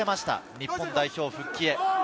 日本代表復帰へ。